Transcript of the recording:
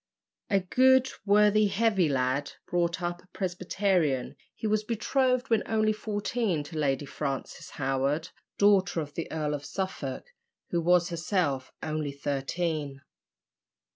A good, worthy, heavy lad, brought up a Presbyterian, he was betrothed when only fourteen to Lady Frances Howard, daughter of the Earl of Suffolk, who was herself only thirteen.